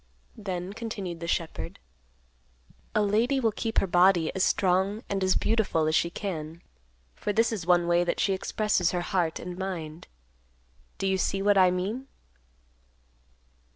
Then, continued the shepherd, "A lady will keep her body as strong and as beautiful as she can, for this is one way that she expresses her heart and mind. Do you see what I mean?"